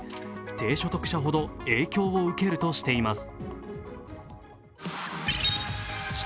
低所得者ほど影響を受けるとしています。